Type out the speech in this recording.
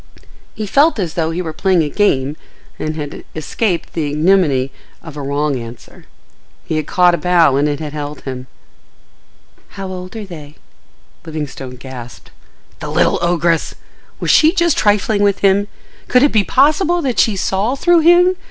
He felt as though he were playing a game and had escaped the ignominy of a wrong answer: he had caught a bough and it held him. "How old are they?" Livingstone gasped. The little ogress! Was she just trifling with him? Could it be possible that she saw through him?